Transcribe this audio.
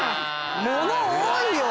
物多いよ！